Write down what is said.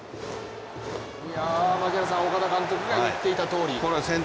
岡田監督が言っていたとおり。